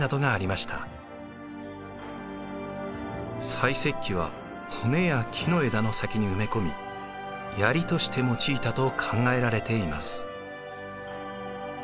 細石器は骨や木の枝の先に埋め込みヤリとして用いたと考えられています。